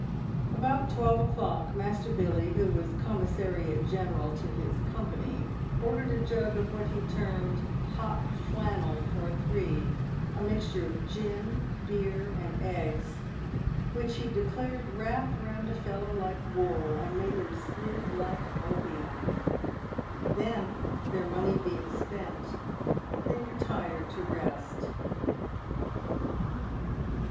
About twelve o'clock Master Billy, who was commissariat general to his company, ordered a jug of what he termed "hot flannel" for three — a mixture of gin, beer, and eggs — which he declared wrapped round a fellow like wool, and made him sleep like opium. Then, their money being spent, they retired to rest.